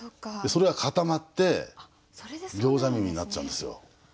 それが固まって餃子耳になっちゃうんですよ。